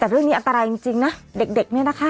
แต่เรื่องนี้อันตรายจริงนะเด็กเนี่ยนะคะ